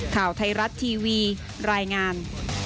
ข่าวไทยรัฐทีวีรายงาน